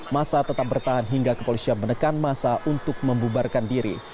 masa tetap bertahan hingga kepolisian menekan masa untuk membubarkan diri